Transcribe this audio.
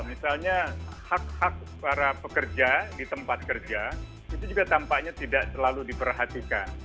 misalnya hak hak para pekerja di tempat kerja itu juga tampaknya tidak selalu diperhatikan